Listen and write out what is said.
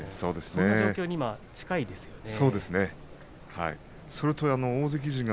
そんな状況に近いですね。